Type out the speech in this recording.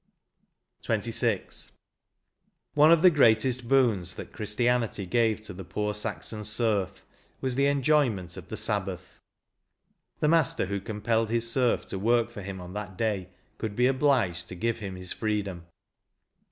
E 2 62 XXVI. " One of the greatest boons that Christianity gave to the poor Saxon serf was the enjoyment of the Sabbath. The master who compelled his serf to work for him on that day could be obliged to give him his freedom."